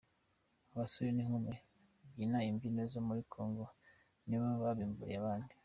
Abasore n'inkumi babyina imbyino zo muri Congo ni bo babimburiye abandi.